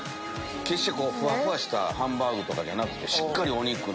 決してふわふわしたハンバーグじゃなくてしっかりお肉の。